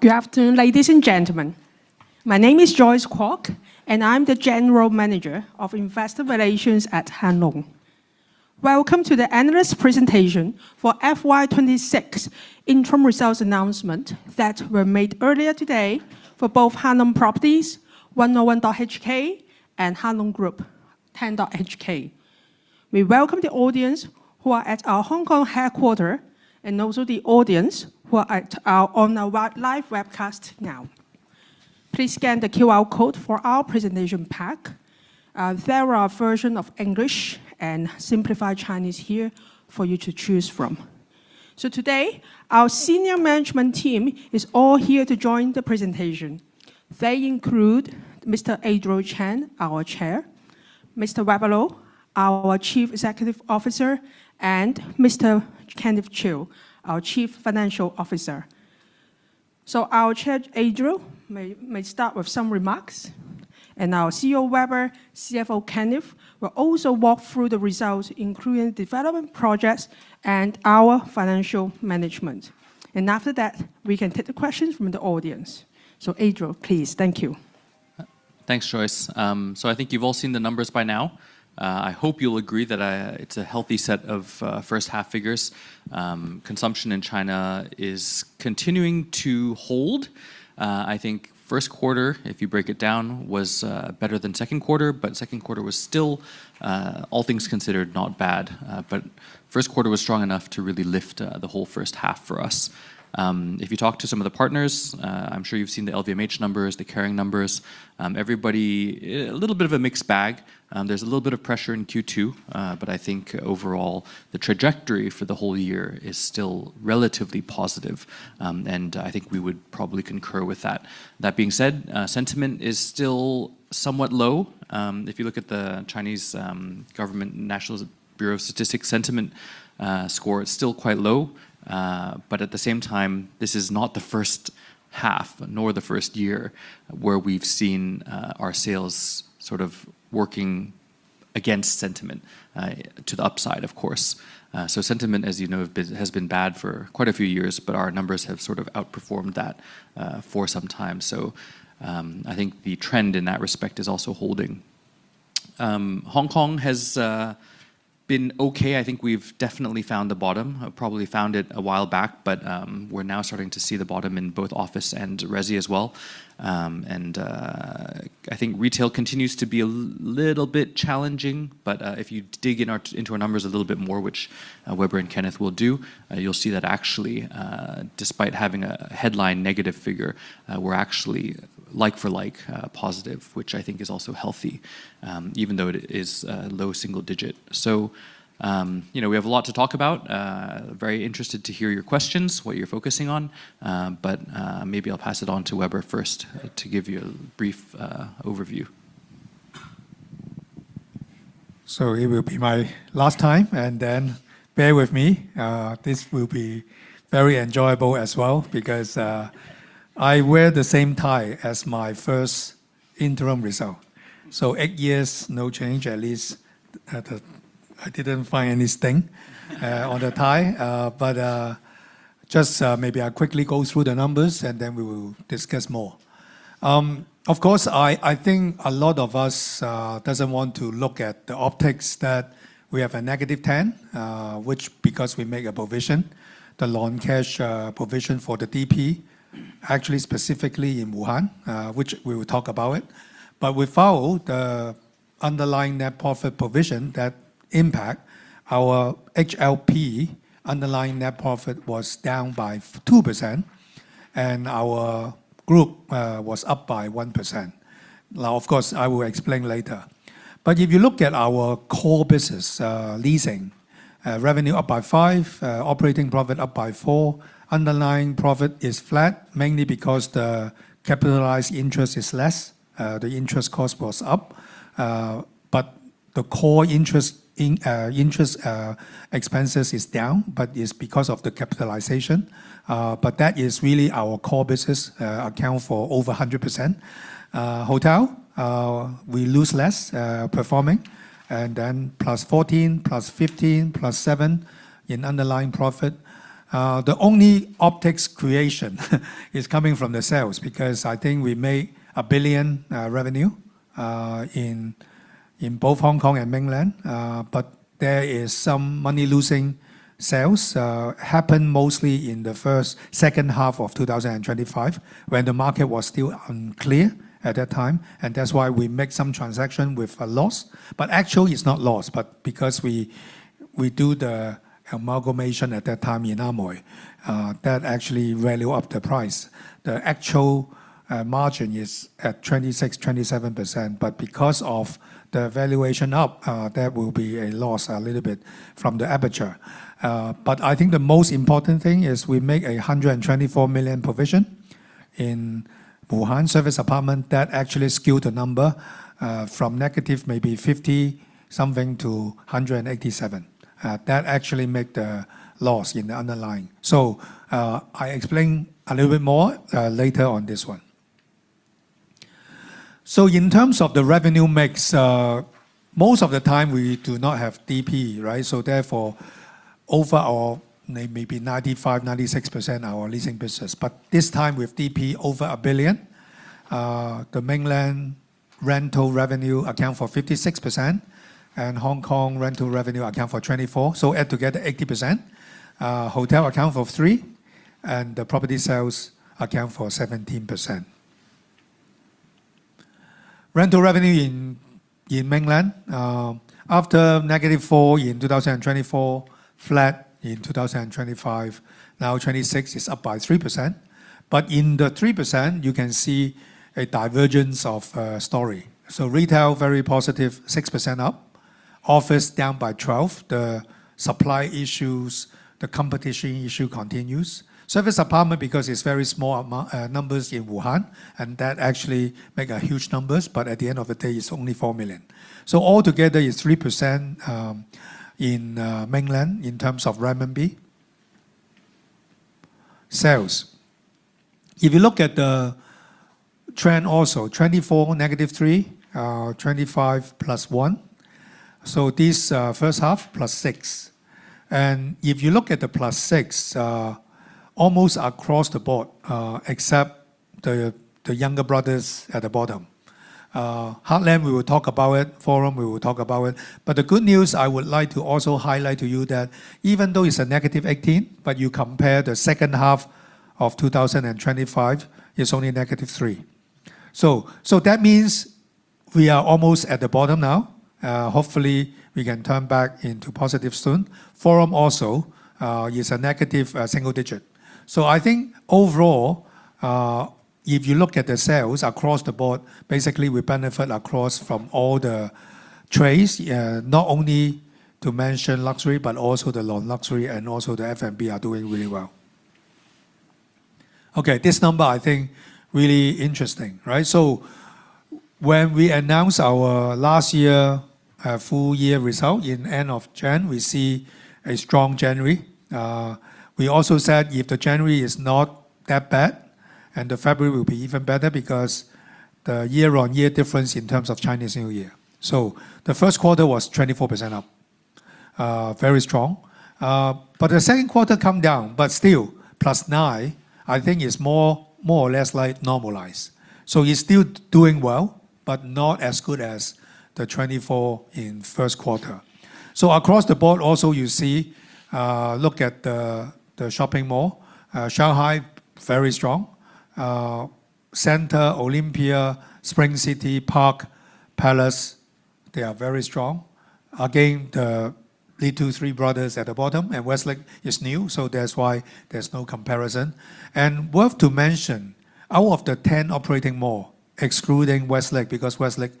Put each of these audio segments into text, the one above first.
Good afternoon, ladies and gentlemen. My name is Joyce Kwock, and I'm the General Manager of Investor Relations at Hang Lung. Welcome to the analyst presentation for FY 2026 interim results announcement that were made earlier today for both Hang Lung Properties, 101.HK, and Hang Lung Group, 10.HK. We welcome the audience who are at our Hong Kong headquarter and also the audience who are on our live webcast now. Please scan the QR code for our presentation pack. There are version of English and simplified Chinese here for you to choose from. Today, our senior management team is all here to join the presentation. They include Mr. Adriel Chan, our Chair, Mr. Weber Lo, our Chief Executive Officer, and Mr. Kenneth Chiu, our Chief Financial Officer. Our Chair, Adriel, may start with some remarks, and our CEO, Weber, CFO Kenneth, will also walk through the results, including development projects and our financial management. After that, we can take the question from the audience. Adriel, please. Thank you. Thanks, Joyce. I think you've all seen the numbers by now. I hope you'll agree that it's a healthy set of first half figures. Consumption in China is continuing to hold. I think first quarter, if you break it down, was better than second quarter, but second quarter was still, all things considered, not bad. First quarter was strong enough to really lift the whole first half for us. If you talk to some of the partners, I'm sure you've seen the LVMH numbers, the Kering numbers. Everybody, a little bit of a mixed bag. There's a little bit of pressure in Q2. I think overall, the trajectory for the whole year is still relatively positive, and I think we would probably concur with that. That being said, sentiment is still somewhat low. If you look at the National Bureau of Statistics of China sentiment score, it's still quite low. At the same time, this is not the first half nor the first year where we've seen our sales sort of working against sentiment, to the upside, of course. Sentiment, as you know, has been bad for quite a few years, but our numbers have sort of outperformed that for some time. I think the trend in that respect is also holding. Hong Kong has been okay. I think we've definitely found the bottom, probably found it a while back, but we're now starting to see the bottom in both office and resi as well. I think retail continues to be a little bit challenging, if you dig into our numbers a little bit more, which Weber and Kenneth will do, you will see that actually, despite having a headline negative figure, we are actually like-for-like positive, which I think is also healthy even though it is low single-digit. We have a lot to talk about. Very interested to hear your questions, what you are focusing on. Maybe I will pass it on to Weber first to give you a brief overview. It will be my last time, bear with me. This will be very enjoyable as well because I wear the same tie as my first interim result. Eight years, no change. At least I did not find anything on the tie. Just maybe I quickly go through the numbers, we will discuss more. Of course, I think a lot of us doesn't want to look at the optics that we have a negative ten, which because we make a provision, the loan cash provision for the DP, actually specifically in Wuhan, which we will talk about it. Without the underlying net profit provision, that impact our HLP underlying net profit was down by 2% and our group was up by 1%. Of course, I will explain later. If you look at our core business, leasing, revenue up by 5%, operating profit up by 4%. Underlying profit is flat mainly because the capitalized interest is less. The interest cost was up. The core interest expenses is down, but it is because of the capitalization. That is really our core business, account for over 100%. Hotel we lose less, performing, +14%, +15%, +7% in underlying profit. The only optics creation is coming from the sales because I think we made 1 billion revenue in both Hong Kong and Mainland. There is some money-losing sales happen mostly in the second half of 2025 when the market was still unclear at that time, that is why we make some transaction with a loss. Actually it is not loss, because we do the amalgamation at that time in Amoy, that actually value up the price. The actual margin is at 26%, 27%, because of the valuation up, that will be a loss, a little bit from The Aperture. I think the most important thing is we make 124 million provision in Wuhan service apartment that actually skewed the number from negative maybe 50 something to 187. That actually make the loss in the underlying. I explain a little bit more later on this one. In terms of the revenue mix, most of the time we do not have DP. Therefore, overall, maybe 95%, 96% our leasing business. This time with DP over 1 billion, the Mainland rental revenue account for 56%, and Hong Kong rental revenue account for 24%. Add together, 80%. Hotel account for 3%. Property sales account for 17%. Rental revenue in Mainland, after -4% in 2024, flat in 2025. 2026, it is up by 3%. In the 3%, you can see a divergence of story. Retail, very positive, 6% up. Office, down by 12%. The supply issues, the competition issue continues. Service apartment, because it is very small numbers in Wuhan, and that actually make huge numbers, but at the end of the day, it is only 4 million. Altogether, it is 3% in Mainland in terms of RMB. Sales. If you look at the trend also, 2024, -3%, 2025, +1%. This first half, +6%. If you look at the +6%, almost across the board, except the younger brothers at the bottom. Heartland 66, we will talk about it. Forum, we will talk about it. The good news I would like to also highlight to you that even though it is a -18%, you compare the second half of 2025, it is only -3%. That means we are almost at the bottom now. Hopefully, we can turn back into positive soon. Forum also is a negative single-digit. I think overall, if you look at the sales across the board, basically we benefit across from all the trades. Not only to mention luxury, but also the non-luxury and also the F&B are doing really well. Okay, this number, I think, really interesting. When we announced our last year full-year result in end of January, we see a strong January. We also said if the January is not that bad, February will be even better because the year-on-year difference in terms of Chinese New Year. The first quarter was 24% up. Very strong. The second quarter come down, but still, +9%. I think it is more or less normalized. It is still doing well, but not as good as the 24% in first quarter. Across the board also, you see, look at the shopping mall. Shanghai, very strong. Center, Olympia, Spring City, Parc, Palace, they are very strong. Again, the two, three brothers at the bottom. Westlake is new, so that is why there is no comparison. Worth to mention, out of the 10 operating malls, excluding Westlake, because Westlake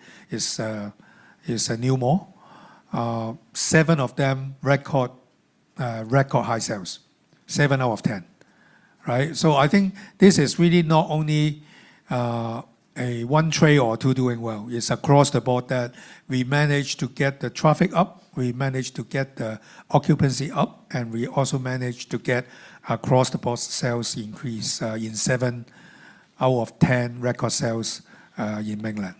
is a new mall, seven of them record high sales. Seven out of 10. Right? I think this is really not only one trade or two doing well. It is across the board that we managed to get the traffic up, we managed to get the occupancy up, we also managed to get across the board sales increase in seven out of 10 record sales in Mainland.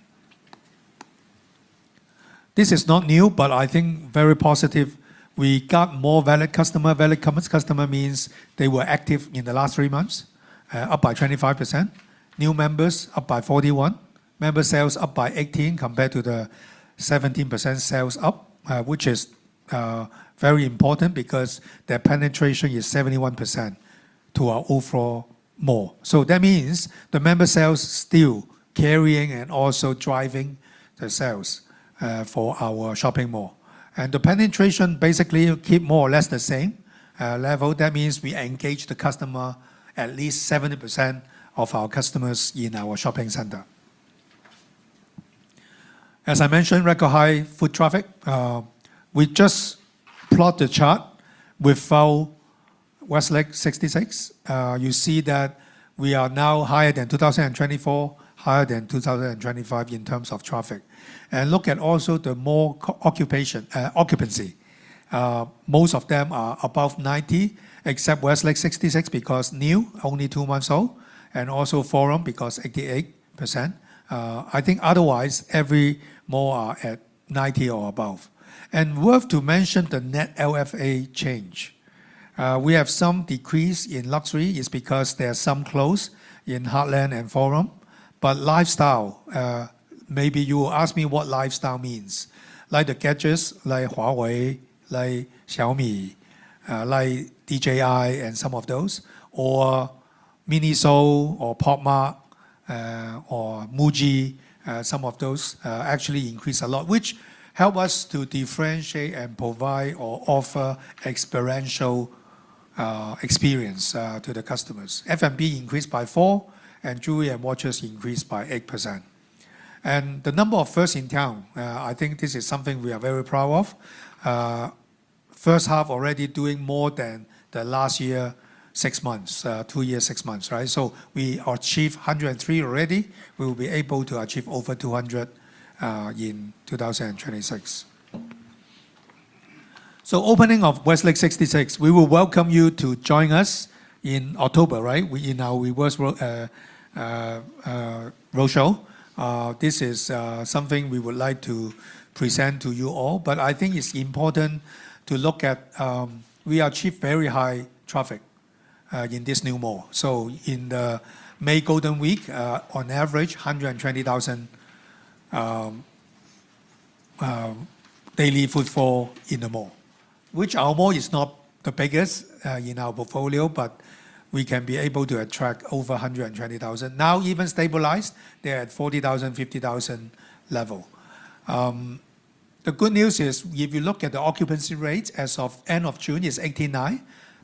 This is not new, but I think very positive. We got more valid customer. Valid commerce customer means they were active in the last three months, up by 25%. New members up by 41%. Member sales up by 18% compared to the 17% sales up, which is very important because their penetration is 71% to our overall mall. That means the member sales still carrying and also driving the sales for our shopping mall. The penetration basically keep more or less the same level. That means we engage the customer, at least 70% of our customers in our shopping center. As I mentioned, record high foot traffic. We just plot the chart without Westlake 66. You see that we are now higher than 2024, higher than 2025 in terms of traffic. Look at also the mall occupancy. Most of them are above 90%, except Westlake 66 because new, only two months old, and also Forum because 88%. Otherwise, every mall are at 90% or above. Worth to mention the net LFA change. We have some decrease in luxury. It's because there are some close in Heartland and Forum. Lifestyle, maybe you ask me what lifestyle means. Like the gadgets, like Huawei, like Xiaomi, like DJI, and some of those. Or Miniso or Pop Mart or Muji, some of those actually increase a lot, which help us to differentiate and provide or offer experiential experience to the customers. F&B increased by four, and jewelry and watches increased by 8%. The number of first in town, I think this is something we are very proud of. First half already doing more than the last year, six months. Two year, six months. We achieve 103 already. We will be able to achieve over 200 in 2026. Opening of Westlake 66, we will welcome you to join us in October, right? In our roadshow. This is something we would like to present to you all, but I think it's important to look at, we achieved very high traffic in this new mall. In the May Golden Week, on average, 120,000 daily footfall in the mall. Which our mall is not the biggest in our portfolio, but we can be able to attract over 120,000. Now, even stabilized, they are at 40,000, 50,000 level. The good news is, if you look at the occupancy rate as of end of June is 89%,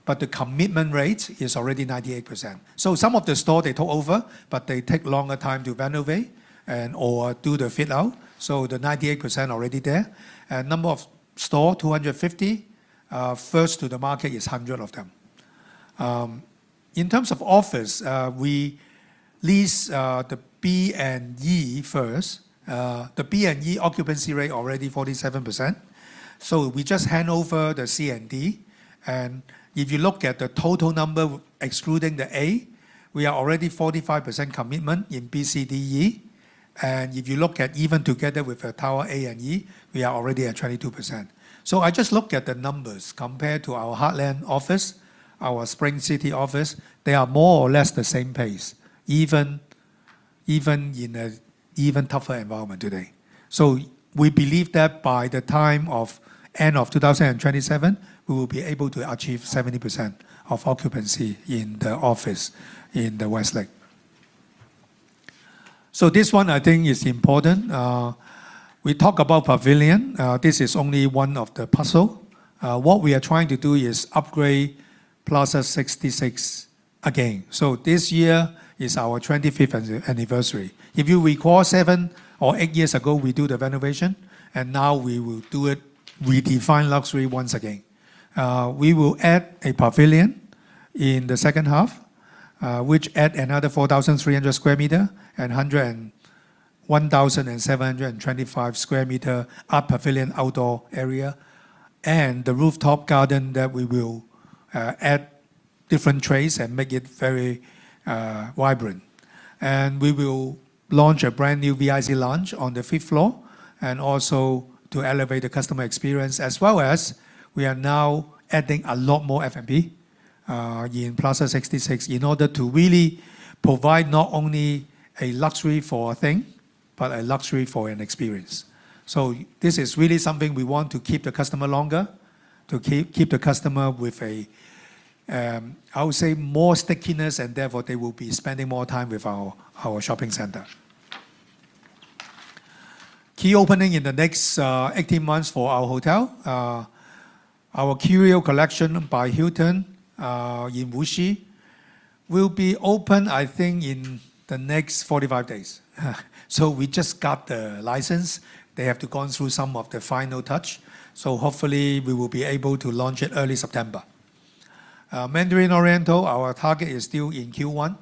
but the commitment rate is already 98%. Some of the stores they took over, but they take a longer time to renovate and/or do the fit-out, so the 98% already there. Number of stores, 250. First to the market is 100 of them. In terms of office, we lease the B and E first. The B and E occupancy rate already 47%. We just hand over the C and D, and if you look at the total number excluding the A, we are already 45% commitment in B, C, D, E. If you look at even together with the Tower A and E, we are already at 22%. I just look at the numbers compared to our Heartland office, our Spring City office, they are more or less the same pace, even in an even tougher environment today. We believe that by the time of end of 2027, we will be able to achieve 70% of occupancy in the office in the Westlake. This one I think is important. We talk about pavilion. This is only one of the puzzle. What we are trying to do is upgrade Plaza 66 again. This year is our 25th anniversary. If you recall, seven or eight years ago, we do the renovation, and now we will do it, redefine luxury once again. We will add a pavilion in the second half, which add another 4,300 sq m and 1,725 sq m are pavilion outdoor area, and the rooftop garden that we will add different trays and make it very vibrant. We will launch a brand new VIC lounge on the fifth floor, and also to elevate the customer experience, as well as we are now adding a lot more F&B in Plaza 66 in order to really provide not only a luxury for a thing, but a luxury for an experience. This is really something we want to keep the customer longer, to keep the customer with a, I would say, more stickiness, and therefore they will be spending more time with our shopping center. Key opening in the next 18 months for our hotel. Our Curio Collection by Hilton in Wuxi will be open, I think, in the next 45 days. We just got the license. They have to gone through some of the final touch, hopefully we will be able to launch in early September. Mandarin Oriental, our target is still in Q1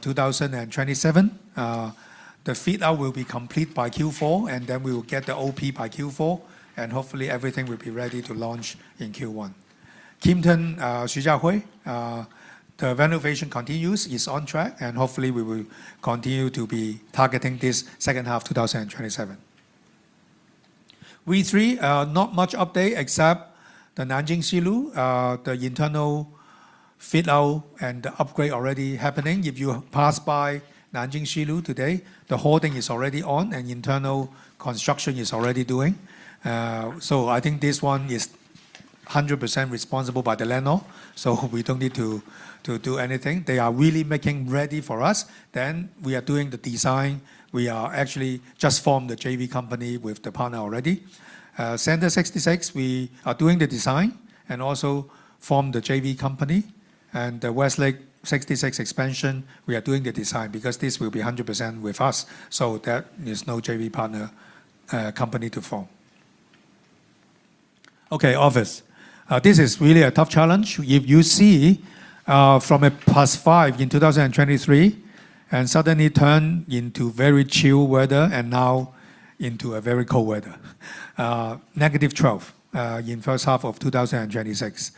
2027. The fit-out will be complete by Q4, then we will get the OP by Q4, hopefully everything will be ready to launch in Q1. Kimpton Xujiahui, the renovation continues, is on track, hopefully we will continue to be targeting this second half of 2027. We three, not much update except the Nanjing Xi Lu, the internal fit-out and the upgrade already happening. If you pass by Nanjing Xi Lu today, the whole thing is already on and internal construction is already doing. I think this one is 100% responsible by the landlord, we don't need to do anything. They are really making ready for us. We are doing the design. We are actually just formed the JV company with the partner already. Center 66, we are doing the design and also form the JV company. The Westlake 66 expansion, we are doing the design because this will be 100% with us, there is no JV partner company to form. Office. This is really a tough challenge. If you see, from a +5% in 2023 and suddenly turn into very chill weather and now into a very cold weather, -12% in first half of 2026.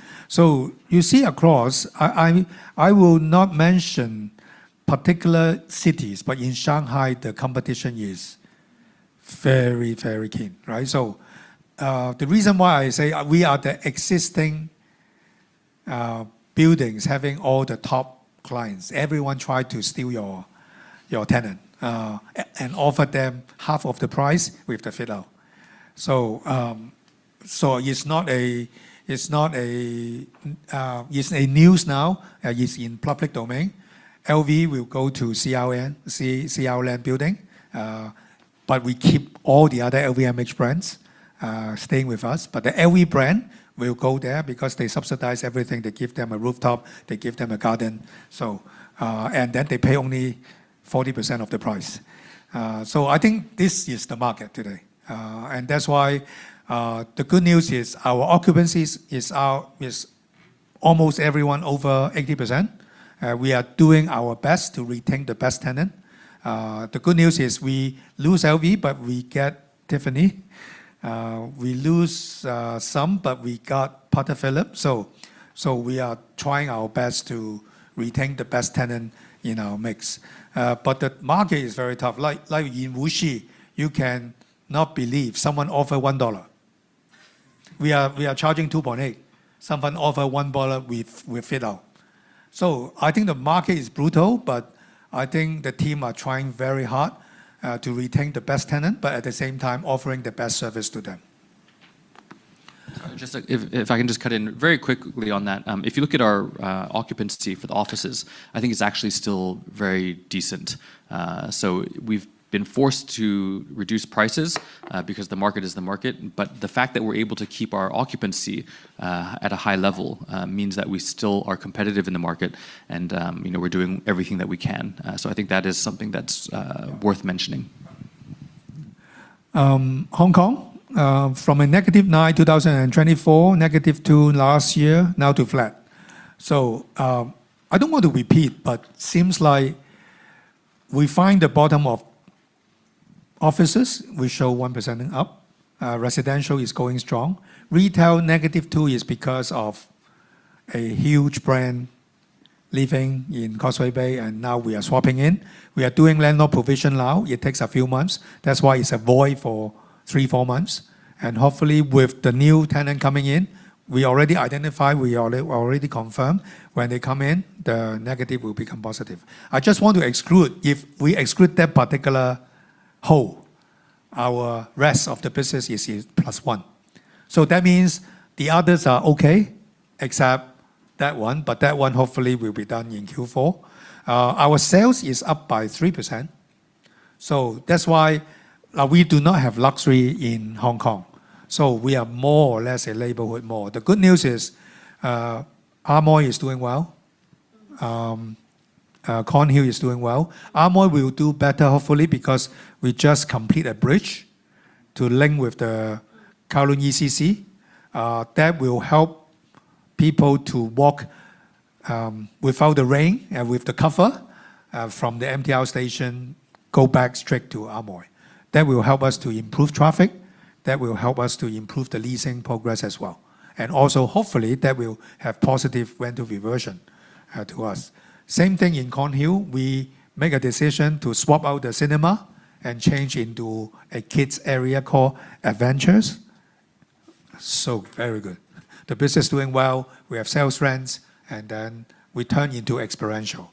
You see across, I will not mention particular cities, but in Shanghai, the competition is very, very keen, right? The reason why I say we are the existing buildings having all the top clients. Everyone tried to steal your tenant, and offered them half of the price with the fit-out. It's a news now, is in public domain. LV will go to CR Land building. We keep all the other LVMH brands staying with us. The LV brand will go there because they subsidize everything. They give them a rooftop, they give them a garden. Then they pay only 40% of the price. I think this is the market today. That's why the good news is our occupancies is Almost everyone over 80%. We are doing our best to retain the best tenant. The good news is we lose LV, but we get Tiffany. We lose some, but we got Patek Philippe. We are trying our best to retain the best tenant in our mix. The market is very tough. Like in Wuxi, you cannot believe someone offer 1 dollar. We are charging 2.8. Someone offer 1 dollar, we fit out. I think the market is brutal, but I think the team are trying very hard, to retain the best tenant, but at the same time offering the best service to them. If I can just cut in very quickly on that. If you look at our occupancy for the offices, I think it's actually still very decent. We've been forced to reduce prices, because the market is the market. The fact that we're able to keep our occupancy at a high level means that we still are competitive in the market and we're doing everything that we can. I think that is something that's worth mentioning. Hong Kong, from a -9% 2024, -2% last year, now to flat. I don't want to repeat, but seems like we find the bottom of offices, we show 1% up. Residential is going strong. Retail -2% is because of a huge brand leaving in Causeway Bay and now we are swapping in. We are doing landlord provision now. It takes a few months. That's why it's a void for three, four months. Hopefully with the new tenant coming in, we already identify, we already confirm when they come in, the negative will become positive. I just want to exclude if we exclude that particular whole, our rest of the business is +1%. That means the others are okay except that one, but that one hopefully will be done in Q4. Our sales is up by 3%. That's why we do not have luxury in Hong Kong. We are more or less a label with more. The good news is, Amoy is doing well. Kornhill is doing well. Amoy will do better hopefully because we just complete a bridge to link with the Kowloon CC. That will help people to walk, without the rain and with the cover, from the MTR station, go back straight to Amoy. That will help us to improve traffic, that will help us to improve the leasing progress as well. Hopefully that will have positive rent reversion to us. Same thing in Kornhill. We make a decision to swap out the cinema and change into a kids area called Adventures. Very good. The business doing well. We have sales rents and then we turn into experiential.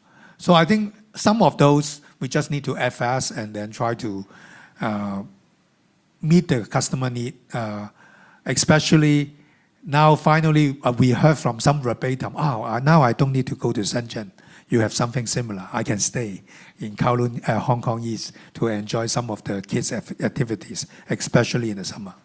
I think some of those we just need to act fast and then try to meet the customer need, especially now finally we heard from some verbatim, Oh, now I don't need to go to Shenzhen. You have something similar. I can stay in Kowloon, Hong Kong East to enjoy some of the kids' activities, especially in the summer.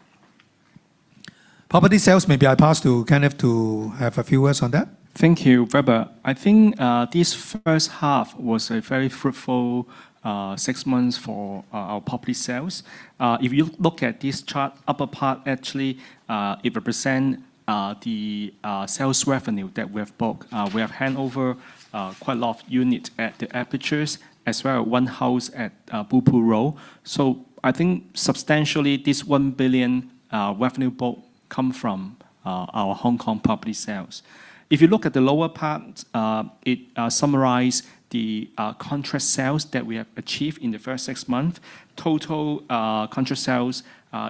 Property sales, maybe I pass to Kenneth to have a few words on that. Thank you, Weber. I think this first half was a very fruitful six months for our property sales. If you look at this chart upper part actually, it represent the sales revenue that we have booked. We have handover quite a lot of unit at The Aperture as well, one house at Blue Pool Road. I think substantially this 1 billion revenue book come from our Hong Kong property sales. If you look at the lower part, it summarize the contract sales that we have achieved in the first six months. Total contract sales,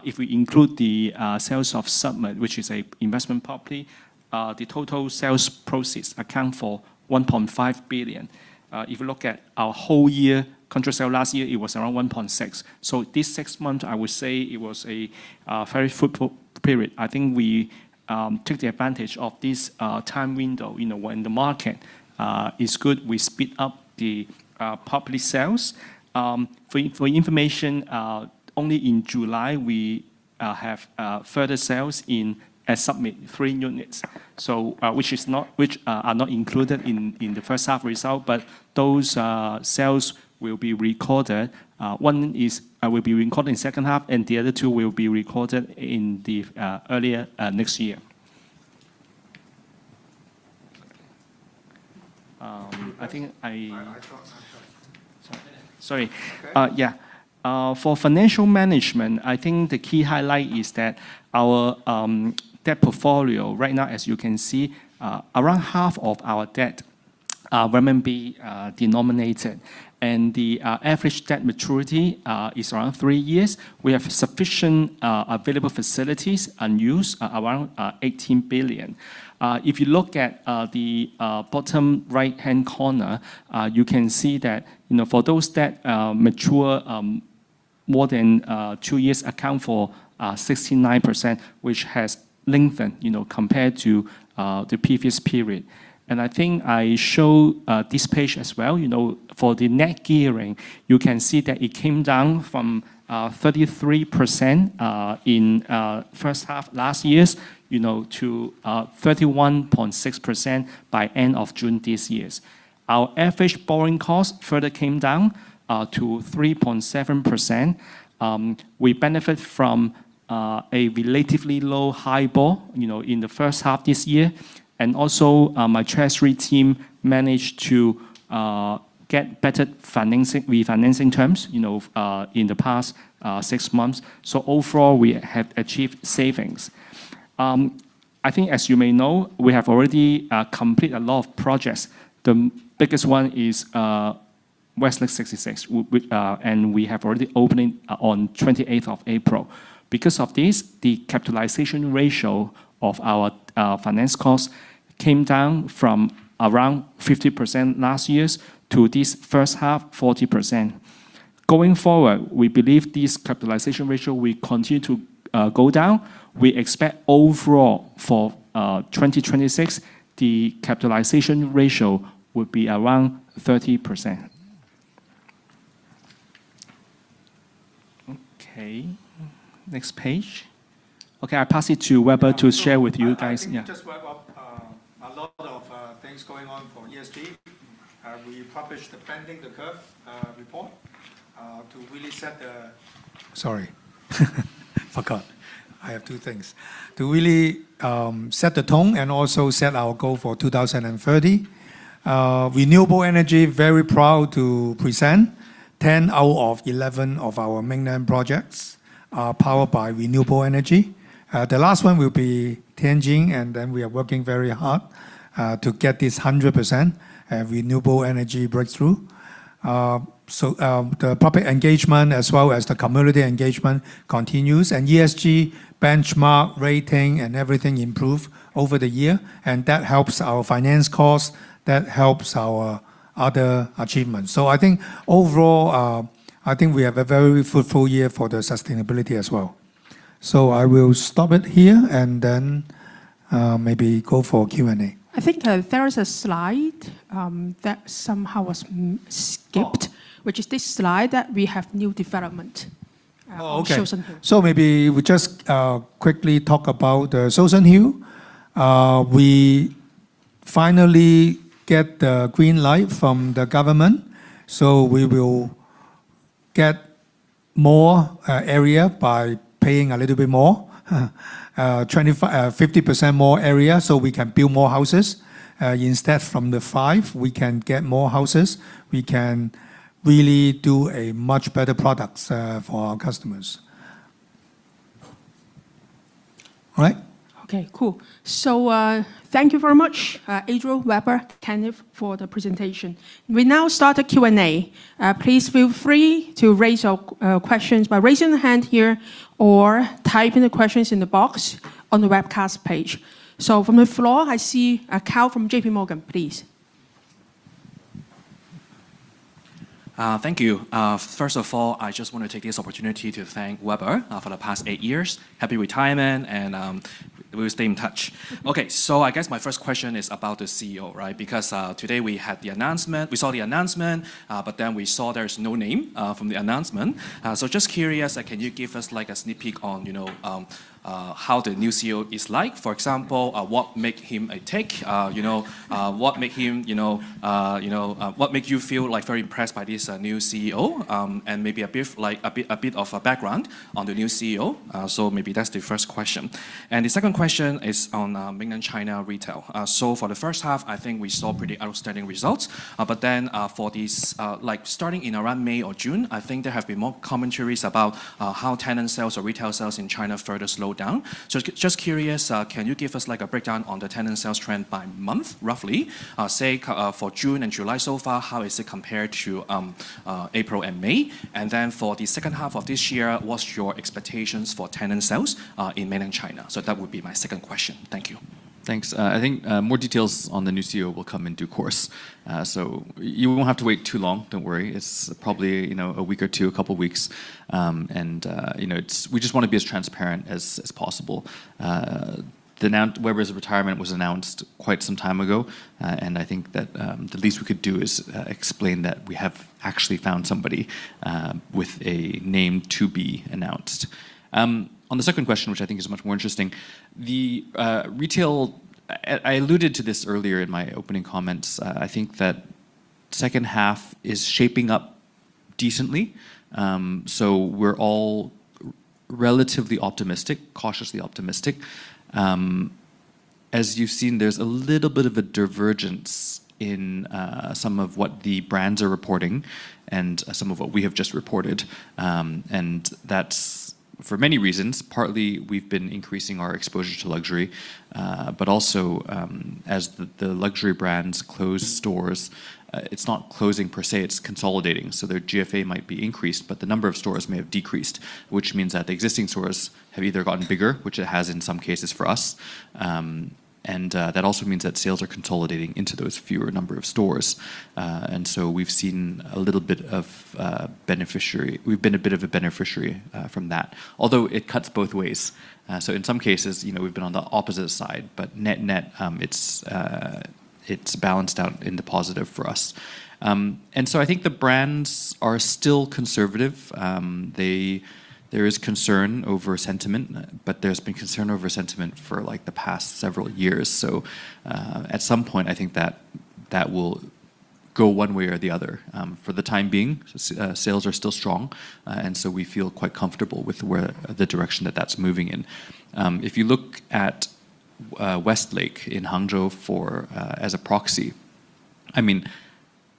if we include the sales of The Summit, which is a investment property, the total sales proceeds account for 1.5 billion. If you look at our whole year contract sale last year, it was around 1.6 billion. This six months, I would say it was a very fruitful period. I think we took the advantage of this time window when the market is good. We speed up the property sales. For information, only in July we have further sales in The Summit, three units, which are not included in the first half result. Those sales will be recorded. One will be recorded in second half, and the other two will be recorded in the earlier next year. I think. I thought Sorry. Yeah. For financial management, I think the key highlight is that our debt portfolio right now, as you can see, around half of our debt are RMB denominated and the average debt maturity is around three years. We have sufficient available facilities and use around 18 billion. If you look at the bottom right-hand corner, you can see that for those debt mature more than two years account for 69%, which has lengthened compared to the previous period. I think I show this page as well. For the net gearing You can see that it came down from 33% in first half last year, to 31.6% by end of June this year. Our average borrowing cost further came down to 3.7%. We benefit from a relatively low HIBOR in the first half this year. Also, my treasury team managed to get better refinancing terms in the past six months. Overall, we have achieved savings. I think as you may know, we have already completed a lot of projects. The biggest one is Westlake 66, and we have already opened it on 28th of April. Because of this, the capitalization ratio of our finance costs came down from around 50% last year to this first half, 40%. Going forward, we believe this capitalization ratio will continue to go down. We expect overall for 2026, the capitalization ratio will be around 30%. Okay, next page. Okay, I pass it to Weber to share with you guys. Yeah. I think just wrap up a lot of things going on for ESG. We published the Bending the Curve report to really set the Sorry. Forgot. I have two things. To really set the tone and also set our goal for 2030. Renewable energy, very proud to present 10 out of 11 of our mainland projects are powered by renewable energy. The last one will be Tianjin, and then we are working very hard to get this 100% renewable energy breakthrough. The public engagement as well as the community engagement continues, ESG benchmark rating and everything improved over the year, and that helps our finance cost, that helps our other achievements. I think overall, I think we have a very fruitful year for the sustainability as well. I will stop it here and then maybe go for Q&A. I think there is a slide that somehow was skipped, which is this slide that we have new development on Shouson Hill. Oh, okay. Maybe we just quickly talk about Shouson Hill. We finally get the green light from the government, we will get more area by paying a little bit more, 50% more area, we can build more houses. Instead from the five, we can get more houses. We can really do a much better product for our customers. All right? Okay, cool. Thank you very much, Adriel, Weber, Kenneth, for the presentation. We now start the Q&A. Please feel free to raise your questions by raising your hand here or typing the questions in the box on the webcast page. From the floor, I see Karl from JPMorgan, please. Thank you. First of all, I just want to take this opportunity to thank Weber for the past eight years. Happy retirement, we will stay in touch. Okay, I guess my first question is about the CEO, right? Today we saw the announcement, we saw there's no name from the announcement. Just curious, can you give us a sneak peek on how the new CEO is like? For example, what make him a tick? What make you feel very impressed by this new CEO? Maybe a bit of a background on the new CEO. Maybe that's the first question. The second question is on mainland China retail. For the first half, I think we saw pretty outstanding results. For these, starting in around May or June, I think there have been more commentaries about how tenant sales or retail sales in China further slow down. Just curious, can you give us a breakdown on the tenant sales trend by month, roughly? Say, for June and July so far, how is it compared to April and May? For the second half of this year, what's your expectations for tenant sales in Mainland China? That would be my second question. Thank you. Thanks. I think more details on the new CEO will come in due course. You won't have to wait too long, don't worry. It's probably a week or two, a couple of weeks. We just want to be as transparent as possible. Weber's retirement was announced quite some time ago, and I think that the least we could do is explain that we have actually found somebody with a name to be announced. On the second question, which I think is much more interesting. The retail, I alluded to this earlier in my opening comments. I think that second half is shaping up decently. We're all relatively optimistic, cautiously optimistic. As you've seen, there's a little bit of a divergence in some of what the brands are reporting and some of what we have just reported. That's for many reasons. Partly we've been increasing our exposure to luxury. Also, as the luxury brands close stores, it's not closing per se, it's consolidating. Their GFA might be increased, but the number of stores may have decreased, which means that the existing stores have either gotten bigger, which it has in some cases for us. That also means that sales are consolidating into those fewer number of stores. We've been a bit of a beneficiary from that, although it cuts both ways. In some cases, we've been on the opposite side, but net-net, it's balanced out in the positive for us. I think the brands are still conservative. There is concern over sentiment, but there's been concern over sentiment for the past several years. At some point, I think that will go one way or the other. For the time being, sales are still strong, and so we feel quite comfortable with the direction that that's moving in. If you look at Westlake in Hangzhou as a proxy,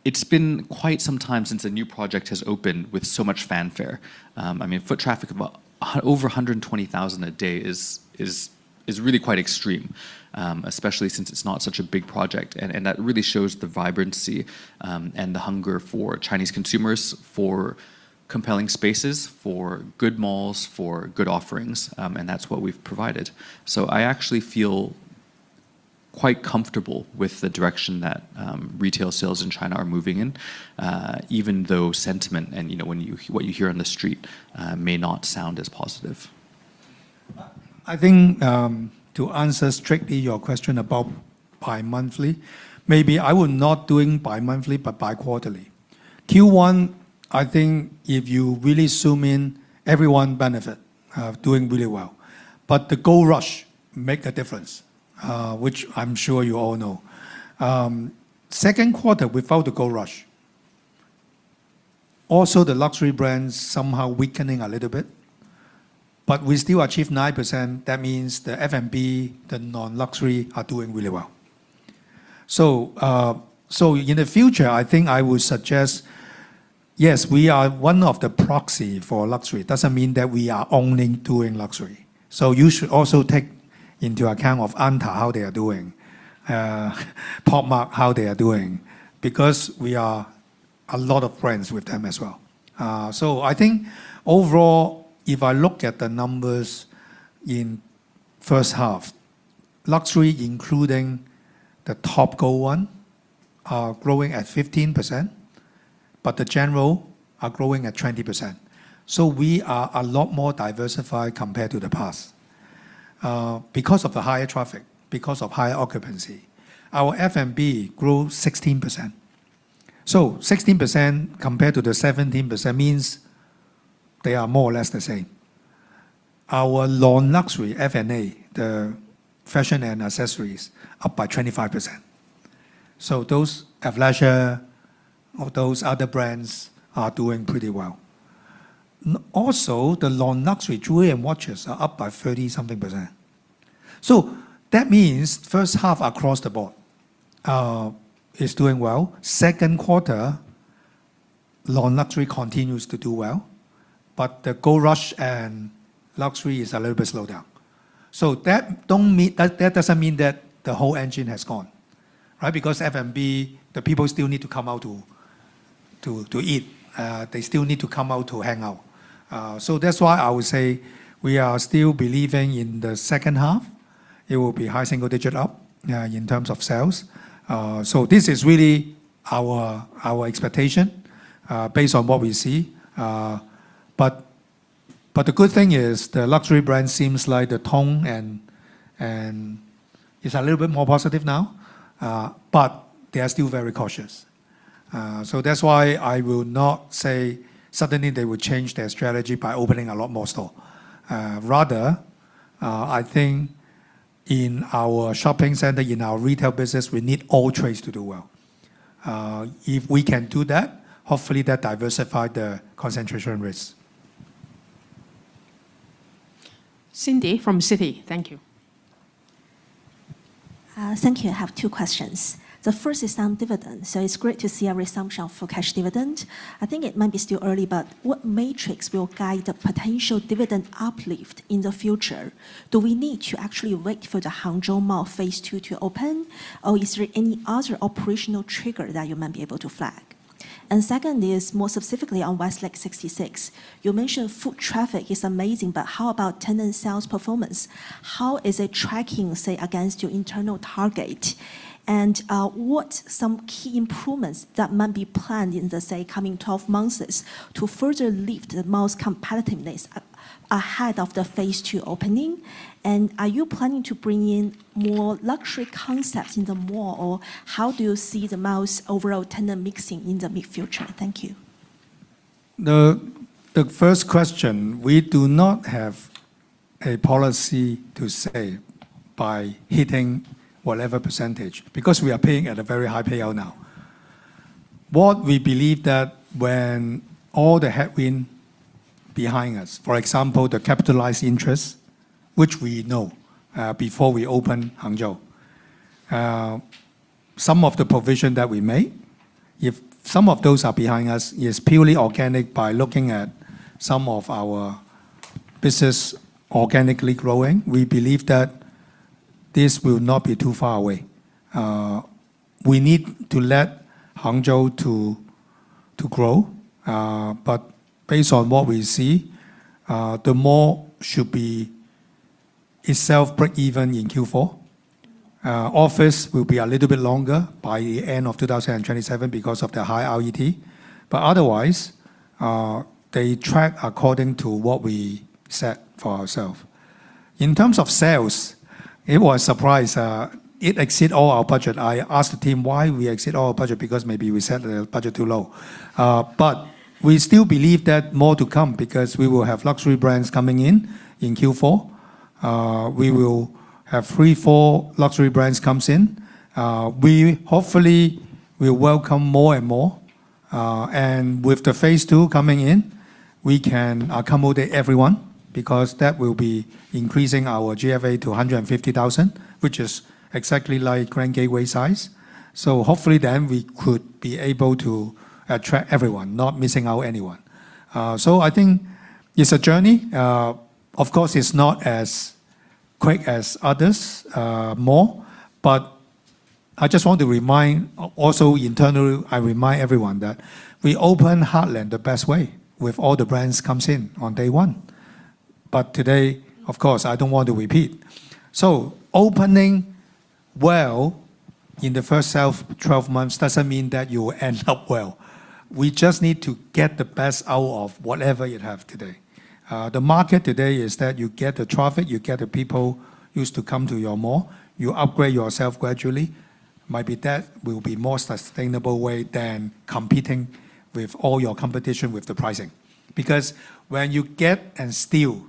it's been quite some time since a new project has opened with so much fanfare. Foot traffic of over 120,000 a day is really quite extreme, especially since it's not such a big project, and that really shows the vibrancy and the hunger for Chinese consumers for compelling spaces, for good malls, for good offerings, and that's what we've provided. I actually feel quite comfortable with the direction that retail sales in China are moving in, even though sentiment and what you hear on the street may not sound as positive. To answer strictly your question about bimonthly, maybe I would not do it bimonthly, but bi-quarterly. Q1, if you really zoom in, everyone benefit, doing really well. The gold rush make a difference, which I am sure you all know. Second quarter, without the gold rush. Also, the luxury brands somehow weakening a little bit, but we still achieve 9%. That means the F&B, the non-luxury are doing really well. In the future, I would suggest, yes, we are one of the proxy for luxury. Doesn't mean that we are only doing luxury. You should also take into account of ANTA, how they are doing, Pop Mart, how they are doing, because we are a lot of friends with them as well. Overall, if I look at the numbers in first half, luxury including the top gold one are growing at 15%, but the general are growing at 20%. We are a lot more diversified compared to the past. Because of the higher traffic, because of higher occupancy, our F&B grew 16%. 16% compared to the 17% means they are more or less the same. Our non-luxury F&A, the fashion and accessories, are up by 25%. Those have leisure, or those other brands are doing pretty well. The non-luxury jewelry and watches are up by 30% something. That means first half across the board is doing well. Second quarter, non-luxury continues to do well, but the gold rush and luxury is a little bit slow down. That doesn't mean that the whole engine has gone. F&B, the people still need to come out to eat. They still need to come out to hang out. That is why I would say we are still believing in the second half. It will be high single-digit up in terms of sales. This is really our expectation based on what we see. The good thing is the luxury brand seems like the tone and is a little bit more positive now. They are still very cautious. That is why I will not say suddenly they will change their strategy by opening a lot more store. I think in our shopping center, in our retail business, we need all trades to do well. If we can do that, hopefully that diversify the concentration risk. Cindy from Citi. Thank you. Thank you. I have two questions. The first is on dividends. It's great to see a resumption for cash dividend. I think it might be still early, but what matrix will guide the potential dividend uplift in the future? Do we need to actually wait for the Hangzhou Mall phase II to open, or is there any other operational trigger that you might be able to flag? Second is more specifically on Westlake 66. You mentioned foot traffic is amazing, but how about tenant sales performance? How is it tracking, say, against your internal target? What's some key improvements that might be planned in the, say, coming 12 months to further lift the mall's competitiveness ahead of the phase II opening? Are you planning to bring in more luxury concepts in the mall, or how do you see the mall's overall tenant mixing in the mid-future? Thank you. The first question, we do not have a policy to say by hitting whatever percentage, because we are paying at a very high payout now. What we believe that when all the headwind behind us, for example, the capitalized interest, which we know before we open Hangzhou. Some of the provision that we made, if some of those are behind us, is purely organic by looking at some of our business organically growing. We believe that this will not be too far away. We need to let Hangzhou to grow. Based on what we see, the mall should be itself break even in Q4. Office will be a little bit longer, by the end of 2027 because of the high RET. Otherwise, they track according to what we set for ourselves. In terms of sales, it was a surprise. It exceeded all our budget. I asked the team why we exceeded all our budget, because maybe we set the budget too low. We still believe that more is to come because we will have luxury brands coming in in Q4. We will have three, four luxury brands coming in. Hopefully, we'll welcome more and more. With phase II coming in, we can accommodate everyone because that will be increasing our GFA to 150,000, which is exactly like Grand Gateway size. Hopefully then we could be able to attract everyone, not missing out anyone. I think it's a journey. Of course, it's not as quick as other malls, but I just want to remind also internally, I remind everyone that we opened Heartland the best way, with all the brands coming in on day one. Today, of course, I don't want to repeat. Opening well in the first 12 months doesn't mean that you will end up well. We just need to get the best out of whatever you have today. The market today is that you get the traffic, you get the people used to coming to your mall, you upgrade yourself gradually. Maybe that will be a more sustainable way than competing with all your competition with the pricing. When you get and steal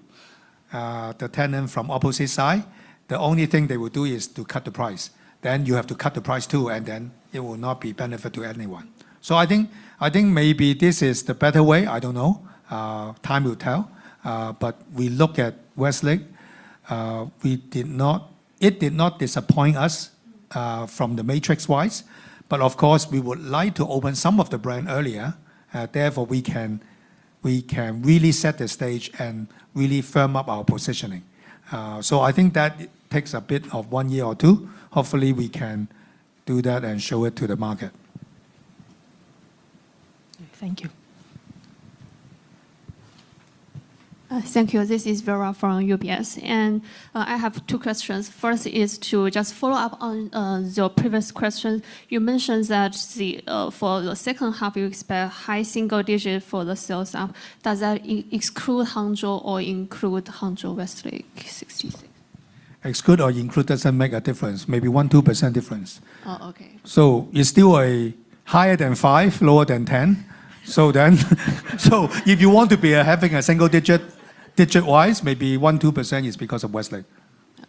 the tenant from the opposite side, the only thing they will do is to cut the price. You have to cut the price too, and then it will not be a benefit to anyone. I think maybe this is the better way. I don't know. Time will tell. We look at Westlake. It did not disappoint us from the matrix-wise. Of course, we would like to open some of the brands earlier. Therefore, we can really set the stage and really firm up our positioning. I think that takes a bit of one year or two. Hopefully, we can do that and show it to the market. Thank you. Thank you. This is Vera from UBS. I have two questions. First is to just follow up on your previous question. You mentioned that for the second half, you expect high single digits for the sales up. Does that exclude Hangzhou or include Hangzhou Westlake 66? Exclude or include doesn't make a difference. Maybe 1%, 2% difference. Oh, okay. It's still higher than 5%, lower than 10%. If you want to be having a single-digit-wise, maybe 1%, 2% is because of Westlake.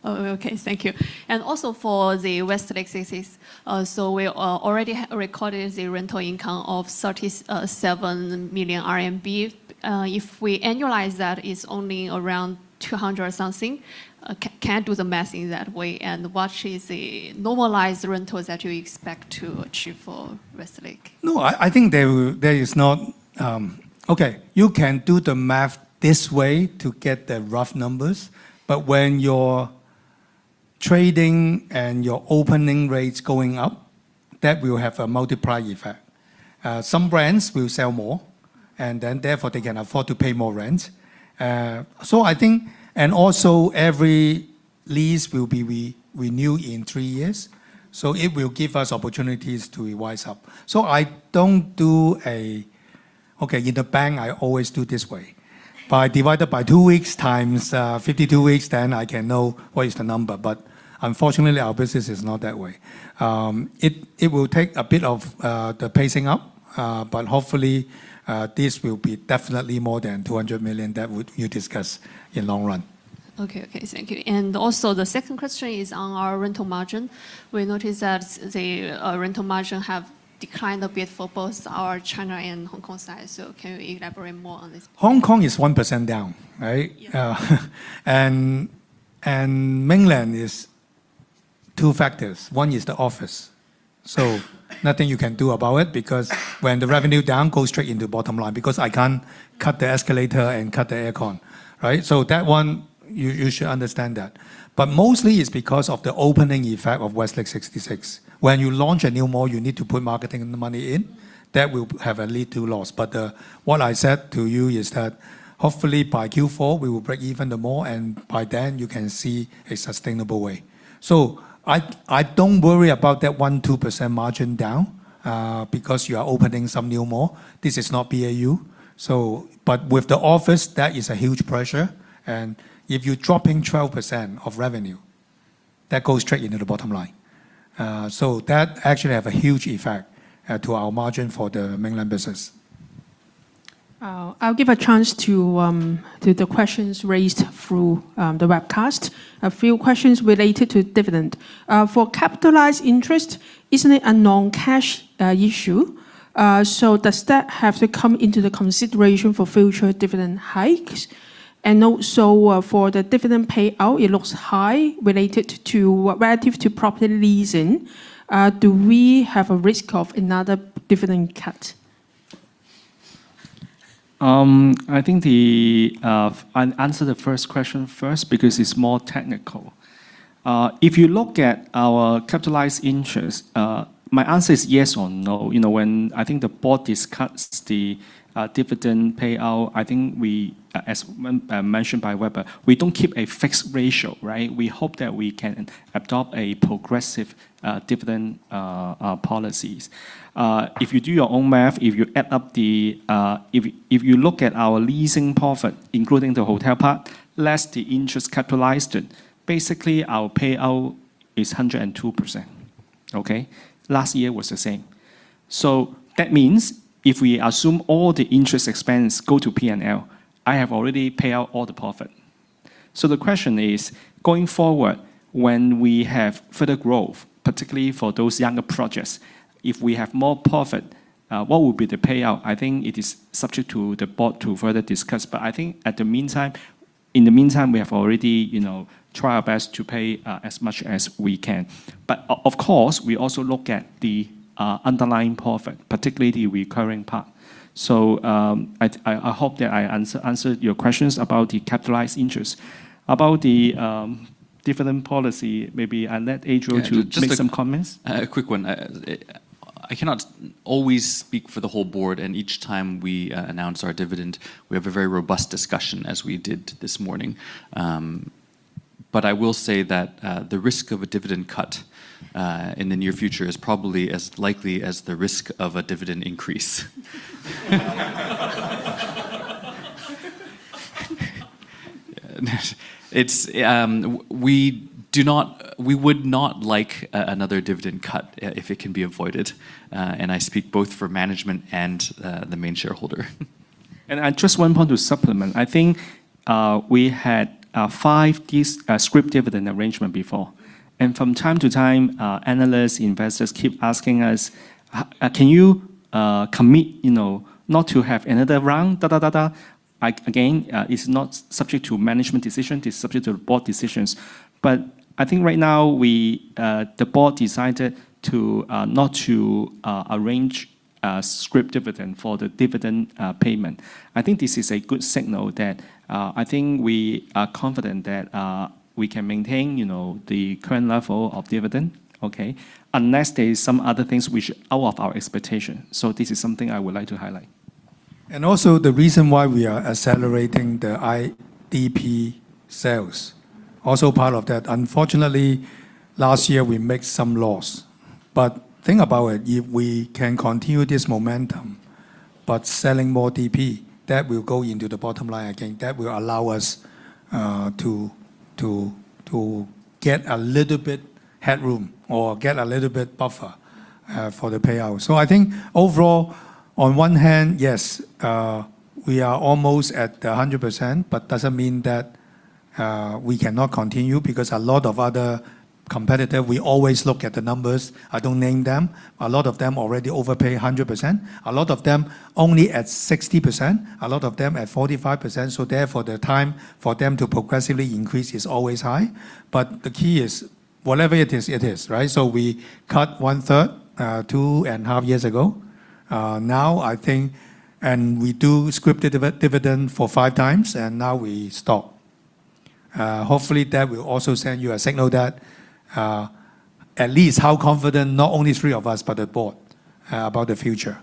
Oh, okay. Thank you. Also for the Westlake 66. We already recorded the rental income of 37 million RMB. If we annualize that, it's only around 200 million or something. Can't do the math in that way. What is the normalized rentals that you expect to achieve for Westlake? No, I think there is not. You can do the math this way to get the rough numbers, but when your trading and your opening rates going up, that will have a multiplier effect. Some brands will sell more, and therefore, they can afford to pay more rent. Every lease will be renewed in three years, so it will give us opportunities to rise up. I don't do a, in the bank, I always do it this way. If I divide it by two weeks times 52 weeks, then I can know what is the number. Unfortunately, our business is not that way. It will take a bit of the pacing up, but hopefully, this will be definitely more than 200 million that you discussed in the long run. Thank you. The second question is on our rental margin. We noticed that the rental margin has declined a bit for both our China and Hong Kong side. Can you elaborate more on this? Hong Kong is 1% down, right? Yeah. Mainland is two factors. One is the office. Nothing you can do about it because when the revenue down, it goes straight into the bottom line because I can't cut the escalator and cut the aircon, right? That one, you should understand that. Mostly it's because of the opening effect of Westlake 66. When you launch a new mall, you need to put marketing money in. That will have a lead to loss. What I said to you is that hopefully by Q4 we will break even the mall, and by then you can see a sustainable way. I don't worry about that 1%, 2% margin down because you are opening some new mall. This is not BAU. With the office, that is a huge pressure, and if you're dropping 12% of revenue, that goes straight into the bottom line. That actually has a huge effect to our margin for the Mainland business. I'll give a chance to the questions raised through the webcast. A few questions related to dividend. For capitalized interest, isn't it a non-cash issue? Does that have to come into the consideration for future dividend hikes? Also, for the dividend payout, it looks high relative to property leasing. Do we have a risk of another dividend cut? I think I'll answer the first question first because it's more technical. If you look at our capitalized interest, my answer is yes or no. When I think the board discusses the dividend payout, I think as mentioned by Weber, we don't keep a fixed ratio, right? We hope that we can adopt progressive dividend policies. If you do your own math, if you look at our leasing profit, including the hotel part, less the interest capitalized, basically our payout is 102%. Okay. Last year was the same. That means if we assume all the interest expense go to P&L, I have already paid out all the profit. The question is, going forward, when we have further growth, particularly for those younger projects, if we have more profit, what will be the payout? I think it is subject to the board to further discuss, I think in the meantime, we have already tried our best to pay as much as we can. Of course, we also look at the underlying profit, particularly the recurring part. I hope that I answered your questions about the capitalized interest. About the dividend policy, maybe I'll let Adriel to- Yeah. Just make some comments. A quick one. I cannot always speak for the whole board. Each time we announce our dividend, we have a very robust discussion as we did this morning. I will say that, the risk of a dividend cut in the near future is probably as likely as the risk of a dividend increase. We would not like another dividend cut if it can be avoided. I speak both for management and the main shareholder. Just one point to supplement. I think we had five scrip dividend arrangement before. From time to time, analysts, investors keep asking us, Can you commit not to have another round? Again, it's not subject to management decision, it's subject to board decisions. I think right now, the board decided to not to arrange a scrip dividend for the dividend payment. I think this is a good signal that I think we are confident that we can maintain the current level of dividend, okay, unless there's some other things out of our expectation. This is something I would like to highlight. The reason why we are accelerating the IDP sales, also part of that. Unfortunately, last year we made some loss. Think about it, if we can continue this momentum by selling more DP, that will go into the bottom line again. That will allow us to get a little bit headroom or get a little bit buffer for the payout. I think overall, on one hand, yes, we are almost at 100%, but doesn't mean that we cannot continue because a lot of other competitor, we always look at the numbers. I don't name them. A lot of them already overpay 100%. A lot of them only at 60%, a lot of them at 45%. Therefore, the time for them to progressively increase is always high. The key is whatever it is, it is. We cut one third, two and a half years ago. We do scrip dividend for 5x, now we stop. Hopefully, that will also send you a signal that at least how confident, not only three of us, but the board about the future.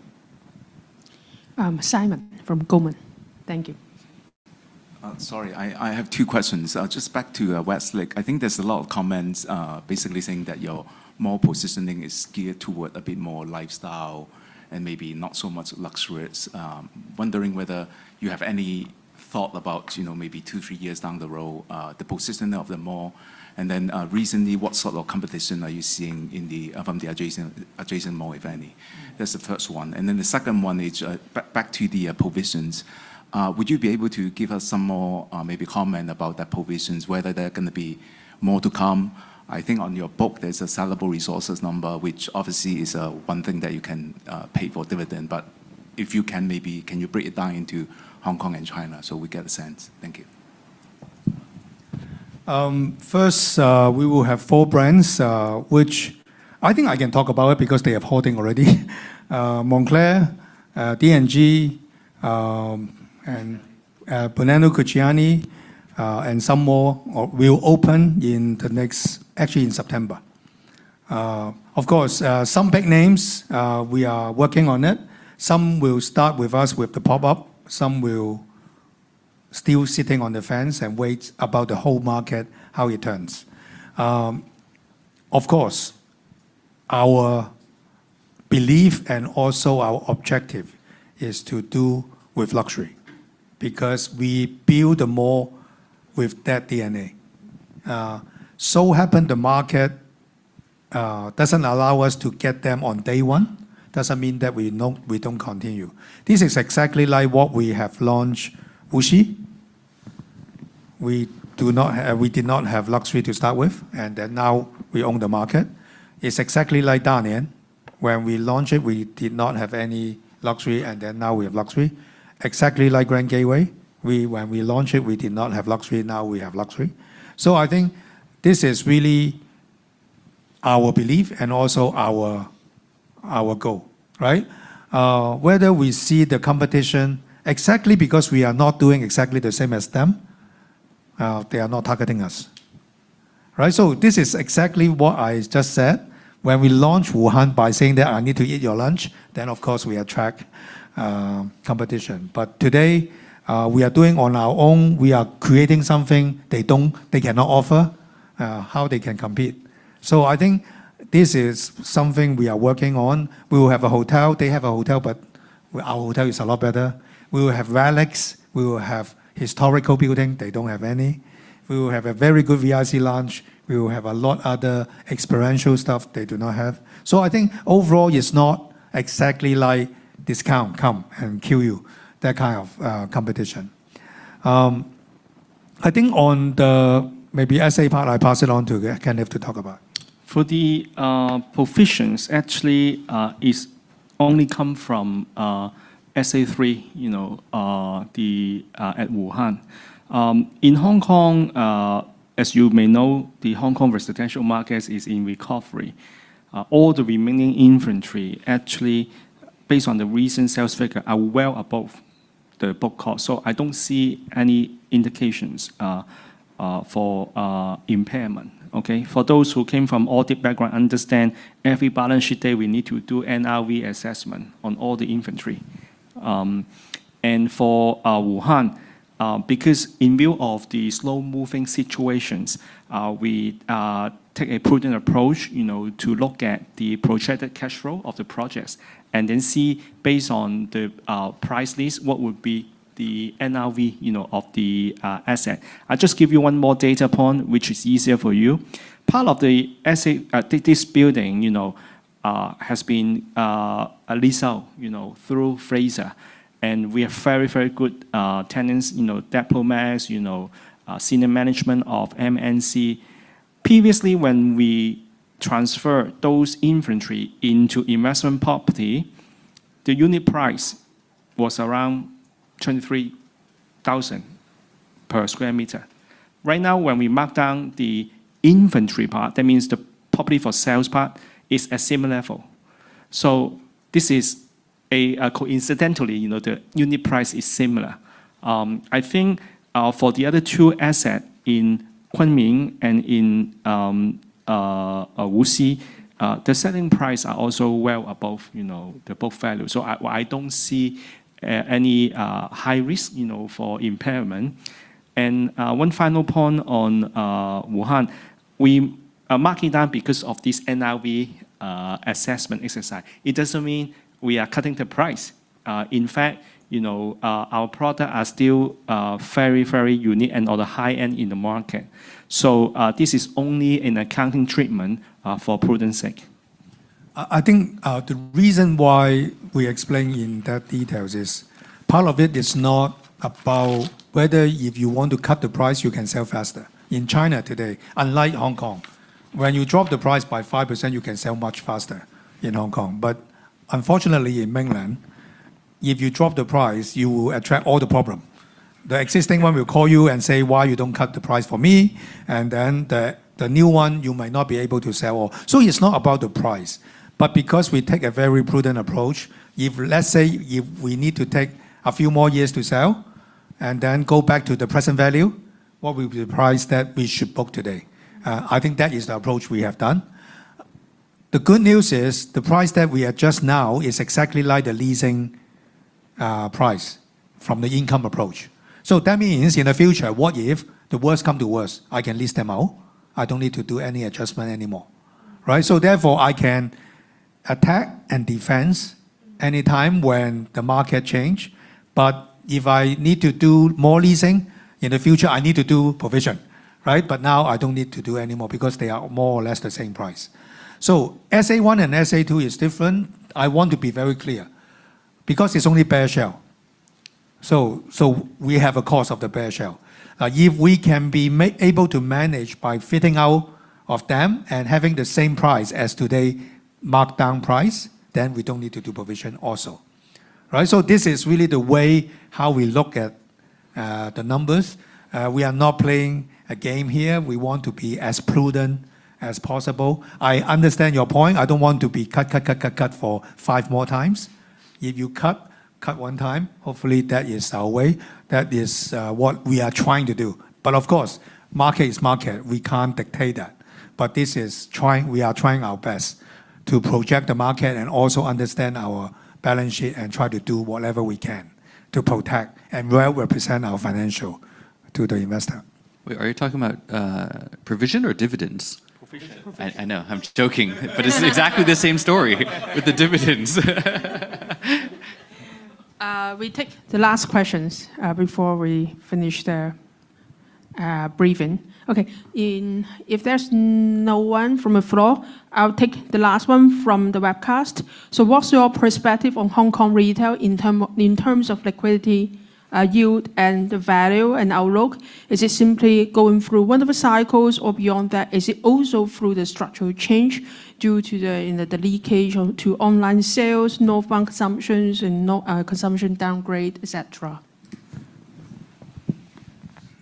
Simon from Goldman. Thank you. Sorry, I have two questions. Just back to Westlake. I think there's a lot of comments basically saying that your mall positioning is geared toward a bit more lifestyle and maybe not so much luxurious. Wondering whether you have any thought about maybe two, three years down the road, the positioning of the mall, then, recently, what sort of competition are you seeing from the adjacent mall, if any? That's the first one. Then the second one is back to the provisions. Would you be able to give us some more maybe comment about the provisions, whether there are going to be more to come? I think on your book there's a sellable resources number, which obviously is one thing that you can pay for dividend. If you can, maybe can you break it down into Hong Kong and China so we get a sense? Thank you. First, we will have four brands, which I think I can talk about because they are holding already. Moncler, D&G, and Brunello Cucinelli, and some more will open actually in September. Of course, some big names, we are working on it. Some will start with us with the pop-up. Some will still sitting on the fence and wait about the whole market, how it turns. Of course, our belief and also our objective is to do with luxury because we build the mall with that DNA. It happened the market doesn't allow us to get them on day one, doesn't mean that we don't continue. This is exactly like what we have launched, Wuxi. We did not have luxury to start with, and then now we own the market. It's exactly like Dalian. When we launched it, we did not have any luxury, and then now we have luxury. Exactly like Grand Gateway. When we launched it, we did not have luxury, now we have luxury. I think this is really our belief and also our goal, right? Whether we see the competition, exactly because we are not doing exactly the same as them, they are not targeting us. This is exactly what I just said. When we launched Wuhan by saying that I need to eat your lunch, then of course we attract competition. Today, we are doing on our own. We are creating something they cannot offer. How they can compete? I think this is something we are working on. We will have a hotel. They have a hotel, but our hotel is a lot better. We will have relics. We will have historical building. They don't have any. We will have a very good VIC lounge. We will have a lot of other experiential stuff they do not have. I think overall it's not exactly like discount come and kill you, that kind of competition. I think on the maybe SA part, I pass it on to Kenneth to talk about. For the provisions, actually, it only comes from SA3 at Wuhan. In Hong Kong, as you may know, the Hong Kong residential market is in recovery. All the remaining inventory, actually based on the recent sales figure, are well above the book cost. I don't see any indications for impairment. Okay. For those who came from audit background, understand every balance sheet day, we need to do NRV assessment on all the inventory. For Wuhan, because in view of the slow-moving situations, we take a prudent approach to look at the projected cash flow of the projects and then see, based on the price list, what would be the NRV of the asset. I just give you one more data point, which is easier for you. Part of this building has been leased out through Frasers, and we have very, very good tenants, diplomats, senior management of MNC. Previously, when we transferred those inventory into investment property, the unit price was around 23,000 per square meter. Right now, when we mark down the inventory part, that means the property for sales part is a similar level. This is coincidentally, the unit price is similar. I think for the other two assets in Kunming and in Wuxi, the selling price are also well above the book value. I don't see any high risk for impairment. One final point on Wuhan. We are marking down because of this NRV assessment exercise. It doesn't mean we are cutting the price. In fact, our products are still very, very unique and on the high end in the market. This is only an accounting treatment for prudent sake. I think the reason why we explain in that detail is part of it is not about whether if you want to cut the price, you can sell faster. In China today, unlike Hong Kong, when you drop the price by 5%, you can sell much faster in Hong Kong. Unfortunately in mainland, if you drop the price, you will attract all the problem. The existing one will call you and say, Why you don't cut the price for me? The new one, you might not be able to sell all. It's not about the price. Because we take a very prudent approach, if let's say if we need to take a few more years to sell and then go back to the present value, what would be the price that we should book today? I think that is the approach we have done. The good news is the price that we adjust now is exactly like the leasing price from the income approach. That means in the future, what if the worst come to worst? I can lease them out. I don't need to do any adjustment anymore, right? Therefore, I can attack and defense any time when the market change. If I need to do more leasing in the future, I need to do provision, right? Now I don't need to do any more because they are more or less the same price. SA1 and SA2 is different. I want to be very clear because it's only bare shell. We have a cost of the bare shell. If we can be able to manage by fitting out of them and having the same price as today marked down price, then we don't need to do provision also. Right? This is really the way how we look at the numbers. We are not playing a game here. We want to be as prudent as possible. I understand your point. I don't want to be cut for five more times. If you cut one time, hopefully that is our way. That is what we are trying to do. Of course, market is market. We can't dictate that. We are trying our best to project the market and also understand our balance sheet and try to do whatever we can to protect and well represent our financial to the investor. Wait, are you talking about provision or dividends? Provision. Provision. I know. I'm just joking. It's exactly the same story with the dividends. We take the last questions before we finish the briefing. Okay. If there's no one from the floor, I'll take the last one from the webcast. What's your perspective on Hong Kong retail in terms of liquidity, yield, and the value and outlook? Is it simply going through one of the cycles or beyond that? Is it also through the structural change due to the leakage to online sales, northbound consumption, and consumption downgrade, et cetera?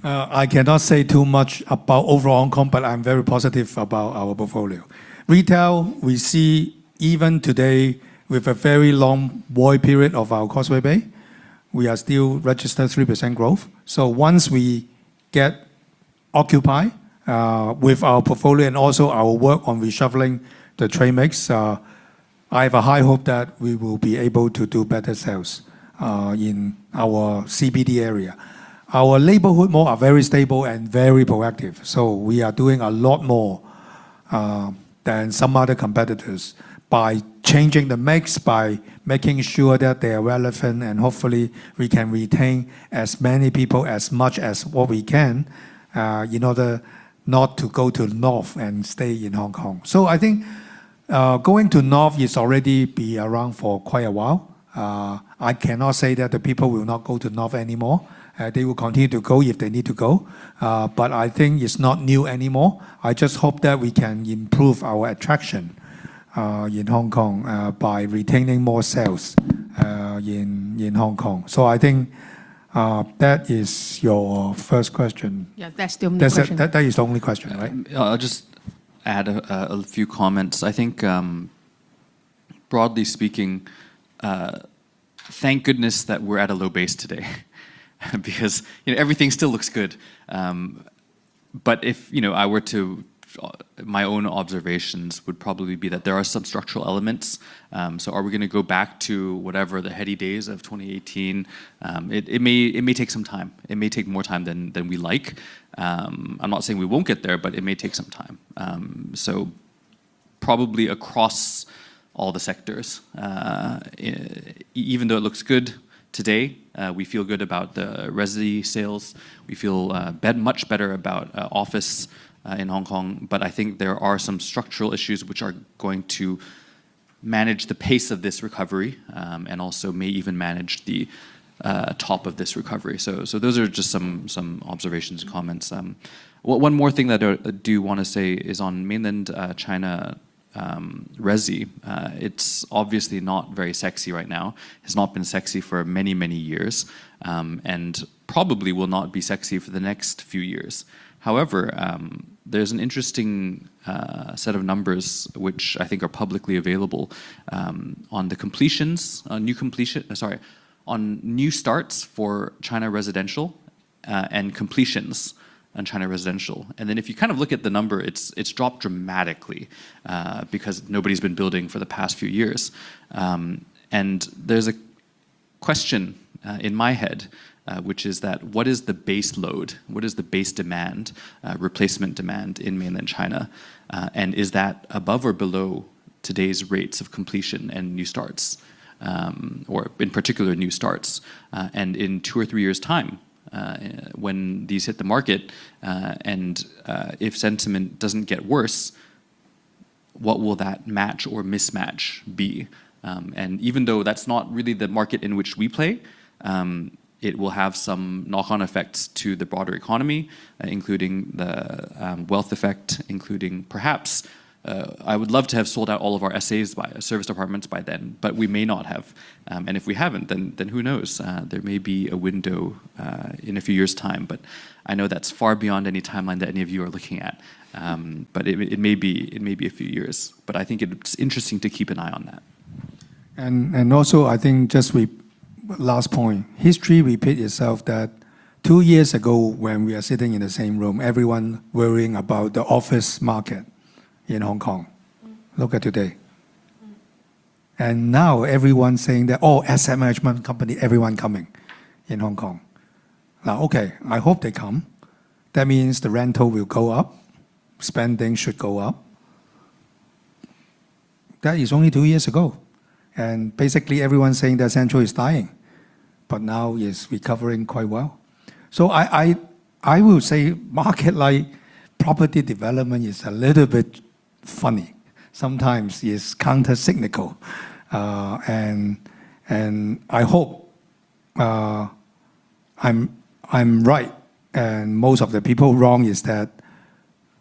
I cannot say too much about overall Hong Kong, but I'm very positive about our portfolio. Retail, we see even today with a very long void period of our Causeway Bay, we are still registered 3% growth. Once we get occupied with our portfolio and also our work on reshuffling the trade mix, I have a high hope that we will be able to do better sales in our CBD area. Our neighborhood mall are very stable and very proactive, so we are doing a lot more than some other competitors by changing the mix, by making sure that they are relevant, and hopefully we can retain as many people as much as what we can in order not to go to north and stay in Hong Kong. I think going to north is already be around for quite a while. I cannot say that the people will not go to north anymore. They will continue to go if they need to go. I think it's not new anymore. I just hope that we can improve our attraction in Hong Kong by retaining more sales in Hong Kong. I think that is your first question. Yeah, that's the only question. That is the only question, right? I'll just add a few comments. I think broadly speaking, thank goodness that we're at a low base today because everything still looks good. My own observations would probably be that there are some structural elements. Are we going to go back to whatever the heady days of 2018? It may take some time. It may take more time than we like. I'm not saying we won't get there, but it may take some time. Probably across all the sectors. Even though it looks good today, we feel good about the resi sales, we feel much better about office in Hong Kong, but I think there are some structural issues which are going to manage the pace of this recovery, and also may even manage the top of this recovery. Those are just some observations and comments. One more thing that I do want to say is on mainland China resi, it's obviously not very sexy right now. It's not been sexy for many, many years, and probably will not be sexy for the next few years. However, there's an interesting set of numbers which I think are publicly available on new starts for China residential and completions on China residential. If you look at the number, it's dropped dramatically because nobody's been building for the past few years. There's a question in my head, which is that what is the base load? What is the base demand, replacement demand in mainland China? Is that above or below today's rates of completion and new starts, or in particular, new starts? In two or three years' time, when these hit the market, and if sentiment doesn't get worse, what will that match or mismatch be? Even though that's not really the market in which we play, it will have some knock-on effects to the broader economy, including the wealth effect. I would love to have sold out all of our SAs, service departments by then, but we may not have. If we haven't, then who knows? There may be a window in a few years' time, but I know that's far beyond any timeline that any of you are looking at. It may be a few years. I think it's interesting to keep an eye on that. Also I think, just last point. History repeat itself that two years ago, when we are sitting in the same room, everyone worrying about the office market in Hong Kong. Look at today. Now everyone's saying that all asset management company, everyone coming in Hong Kong. Now, okay, I hope they come. That means the rental will go up. Spending should go up. That is only two years ago. Basically everyone's saying that Central is dying. Now it's recovering quite well. I will say market like property development is a little bit funny. Sometimes it's countercyclical. I hope I'm right and most of the people wrong is that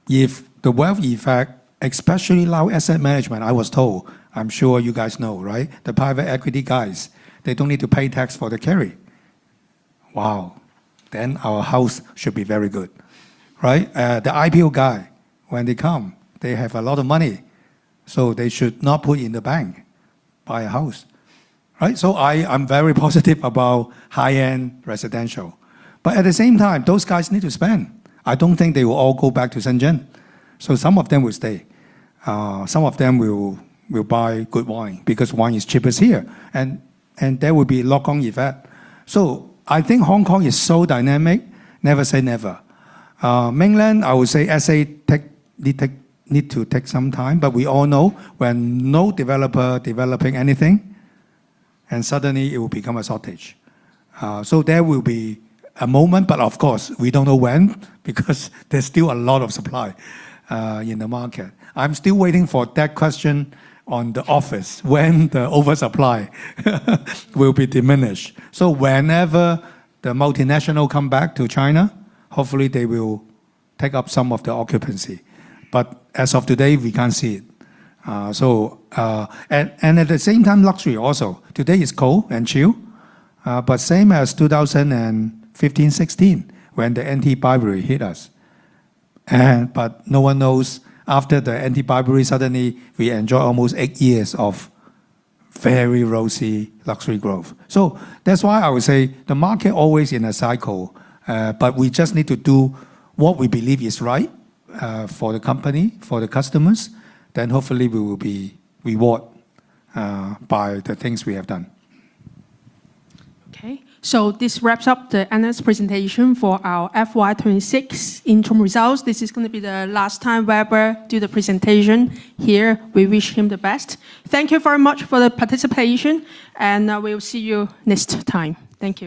if the wealth effect, especially now asset management, I was told, I'm sure you guys know, right? The private equity guys, they don't need to pay tax for the carry. Wow. Our house should be very good. Right? The IPO guy, when they come, they have a lot of money, they should not put in the bank. Buy a house. Right? I'm very positive about high-end residential. At the same time, those guys need to spend. I don't think they will all go back to Shenzhen. Some of them will stay. Some of them will buy good wine because wine is cheapest here. There will be lock on effect. I think Hong Kong is so dynamic. Never say never. Mainland, I would say SA need to take some time, we all know when no developer developing anything and suddenly it will become a shortage. There will be a moment, of course, we don't know when because there's still a lot of supply in the market. I'm still waiting for that question on the office, when the oversupply will be diminished. Whenever the multinational come back to China, hopefully they will take up some of the occupancy. As of today, we can't see it. At the same time, luxury also. Today is cold and chill. Same as 2015, 2016 when the anti-bribery hit us. No one knows after the anti-bribery, suddenly we enjoy almost eight years of very rosy luxury growth. That's why I would say the market always in a cycle, we just need to do what we believe is right for the company, for the customers. Hopefully we will be reward by the things we have done. This wraps up the earnings presentation for our FY 2026 interim results. This is going to be the last time Weber do the presentation here. We wish him the best. Thank you very much for the participation, we will see you next time. Thank you.